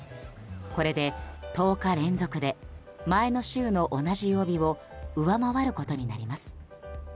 これで１０日連続で前の週の同じ曜日を上回ることになります。